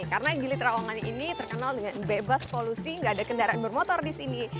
karena gili trawangan ini terkenal dengan bebas polusi gak ada kendaraan bermotor di sini